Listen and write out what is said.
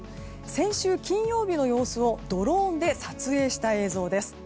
先週金曜日の様子をドローンで撮影した映像です。